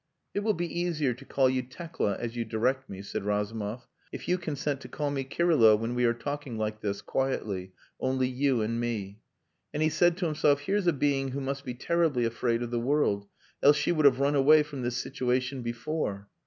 "It will be easier to call you Tekla, as you direct me," said Razumov, "if you consent to call me Kirylo, when we are talking like this quietly only you and me." And he said to himself, "Here's a being who must be terribly afraid of the world, else she would have run away from this situation before."